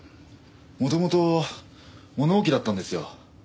元々物置だったんですよ。